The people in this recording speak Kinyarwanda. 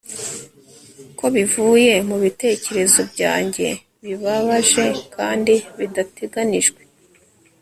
ko bivuye mubitekerezo byanjye bibabaje kandi bidateganijwe